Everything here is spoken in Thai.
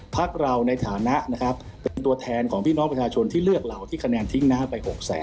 พักเราในฐานะนะครับเป็นตัวแทนของพี่น้องประชาชนที่เลือกเราที่คะแนนทิ้งน้ำไป๖๐๐๐